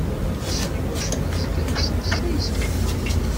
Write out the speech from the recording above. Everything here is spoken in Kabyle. Wissen i wacu i yezga yesteqsay-s fell-am.